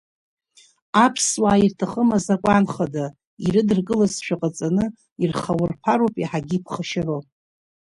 Аԥсуаа ирҭахым Азакәан Хада, ирыдыркылазшәа ҟаҵаны, ирхаурԥар ауп иаҳагьы иԥхашьароу…